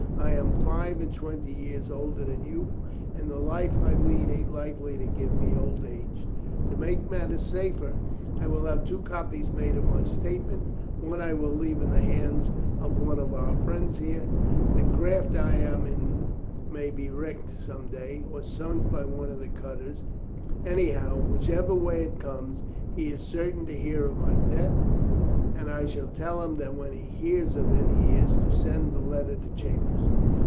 I am five and twenty years older than you are, and the life I lead ain't likely to give me old age. To make matters safer, I will have two copies made of my statement one I will leave in the hands of one of our friends here. The craft I am in may be wrecked some day, or sunk by one of the cutters; anyhow, whichever way it comes, he is certain to hear of my death, and I shall tell him that when he hears of it he is to send that letter to Chambers."